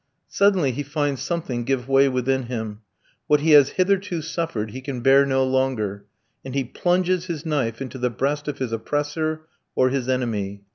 Suddenly he finds something give way within him; what he has hitherto suffered he can bear no longer, and he plunges his knife into the breast of his oppressor or his enemy.